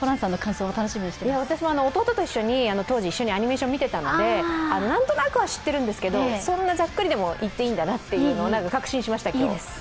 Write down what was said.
私も弟と一緒に当時アニメーションを見ていたんですけど、何となく知っていますけど、そんなざっくりでも言っていいんだなと今日確信しました。